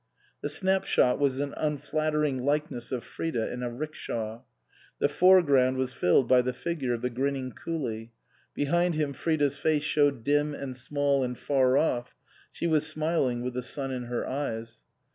The snapshot was an unflattering likeness of Frida in a 'rickshaw. The foreground was filled by the figure of the grinning coolie. Behind him Frida's face showed dim and small and far off ; she was smiling with the sun in her eyes.